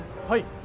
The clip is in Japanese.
はい。